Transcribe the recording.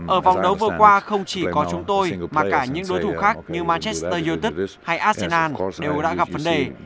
ở vòng đấu vừa qua không chỉ có chúng tôi mà cả những đối thủ khác như manchester united hay arsenal đều đã gặp vấn đề